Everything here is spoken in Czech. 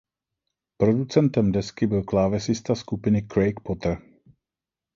Producentem desky byl klávesista skupiny Craig Potter.